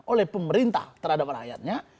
oleh pemerintah terhadap rakyatnya